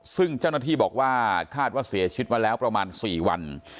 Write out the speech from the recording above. ซึ่งเจ้าหน้าที่บอกว่าคาดว่าเสียชีวิตมาแล้วประมาณ๔วัน